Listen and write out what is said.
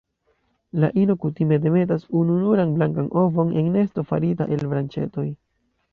La ino kutime demetas ununuran blankan ovon en nesto farita el branĉetoj.